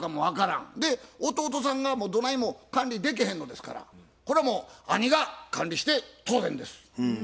弟さんがどないも管理できへんのですからこれはもう兄が管理して当然です。